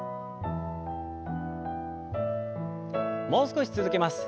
もう少し続けます。